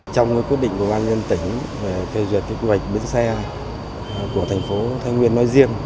trong quyết định của ban nhân tỉnh về phê duyệt kế hoạch bến xe của thành phố thái nguyên nói riêng